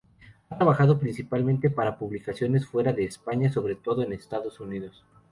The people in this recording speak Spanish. Ha trabajado principalmente para publicaciones fuera de España, sobre todo en Estados Unidos.